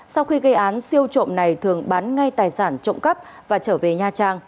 sau khi gây án siêu trộm này thường bán ngay tài sản trộm cắp và trở về nha trang